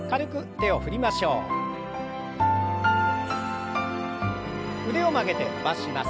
腕を曲げて伸ばします。